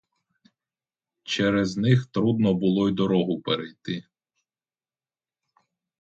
Через них трудно було й дорогу перейти.